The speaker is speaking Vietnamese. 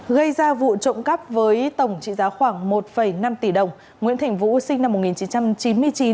gây ra vụ trộm cắp với tổng trị giá khoảng một năm tỷ đồng nguyễn thành vũ sinh năm một nghìn chín trăm chín mươi chín